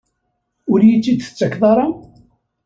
Ur iyi-tt-id-tettakeḍ ara?